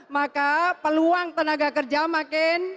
maka peluang tenaga kerja makin